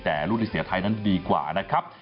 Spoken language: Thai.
แต่รุ่นนิเซียไทยนั้นดีกว่านะครับ